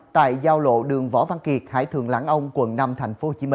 tại giao lộ đường võ văn kiệt hải thường lãng ông quận năm tp hcm